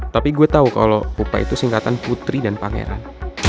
tapi gue tahu kalau pupa itu singkatan putri dan pangeran